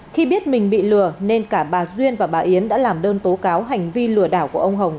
khi biết mình bị lừa nên cả bà duyên và bà yến đã làm đơn tố cáo hành vi lừa đảo của ông hồng